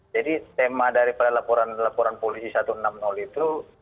jadi tema daripada laporan polisi satu enam itu